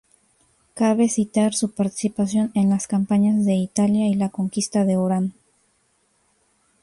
Cabe citar su participación en las campañas de Italia y la conquista de Orán.